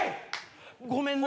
ごめんな。